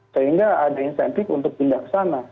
sehingga ada insentif untuk pindah ke sana